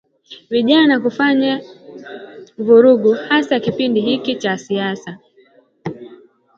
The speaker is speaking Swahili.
Vijana kufanya vurugu haswa kipindi hichi cha siasa